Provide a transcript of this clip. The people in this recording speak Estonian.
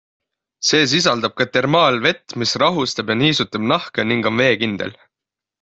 See sisaldab ka termaalvett, mis rahustab ja niisutab nahka ning on veekindel.